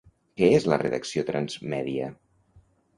Què és la redacció transmèdia?